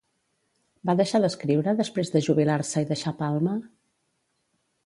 Va deixar d'escriure després de jubilar-se i deixar Palma?